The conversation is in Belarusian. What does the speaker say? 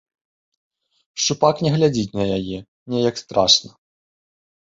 Шчупак не глядзіць на яе, неяк страшна.